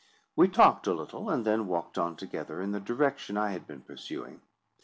We talked a little, and then walked on together in the direction I had been pursuing.